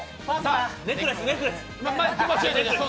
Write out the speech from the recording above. ネックレスネックレス。